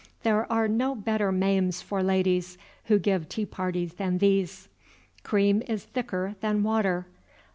There are no better maims for ladies who give tea parties than these: Cream is thicker than water.